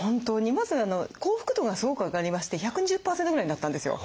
まず幸福度がすごく上がりまして１２０％ぐらいになったんですよ。